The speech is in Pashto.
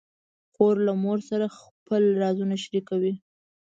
خور له مور سره خپل رازونه شریکوي.